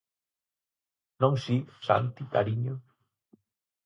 "¿Non si, Santi, cariño?"."